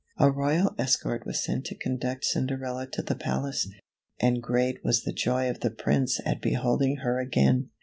A royal escort was sent to conduct Cinderella to the palace, and great was the joy of the Prince at beholding her again.